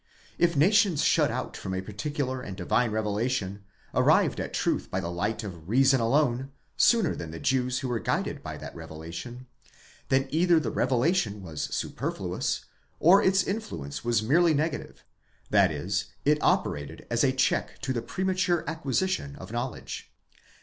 If nations shut out from a particular and divine revelation, arrived at truth by the light of reason alone, sooner than the Jews who were guided by that revelation, then either the revelation was superfluous, or its influence was merely negative: that is, it operated as a check to the premature acquisition of knowledge.